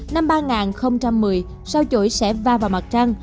năm ba một mươi sao chổi sẽ va vào mặt trăng